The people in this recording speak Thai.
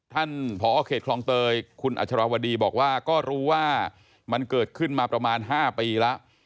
ผอเขตคลองเตยคุณอัชรวดีบอกว่าก็รู้ว่ามันเกิดขึ้นมาประมาณ๕ปีแล้ว